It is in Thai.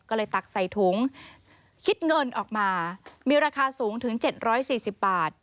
ก็เลยตักใส่ถุงคิดเงินออกมามีราคาสูงถึง๗๔๐บาท